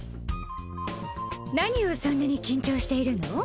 何をそんなに緊張しているの？